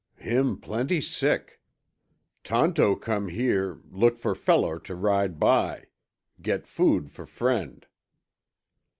"Him plenty sick. Tonto come here, look for feller to ride by. Get food for friend."